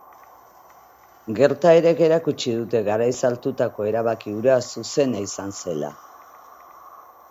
Gertaerek erakutsi dute garaiz hartutako erabaki hura zuzena izan zela.